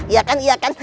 iya kan iya kan